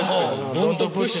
ドントプッシュ。